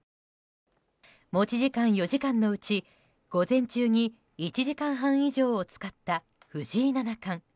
持ち時間４時間のうち午前中に１時間半以上を使った藤井七冠。